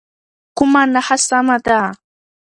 کومه نښه سمه ده؟